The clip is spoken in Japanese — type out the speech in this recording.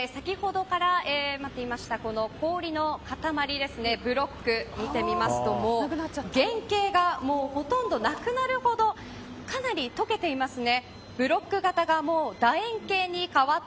さらに、先ほどから置いておいた氷のブロック見てみますと原形が、ほとんどなくなるほどかなり解けていますね。